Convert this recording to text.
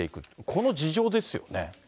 この事情ですよね。